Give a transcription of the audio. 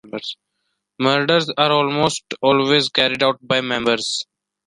Murders are almost always carried out by members.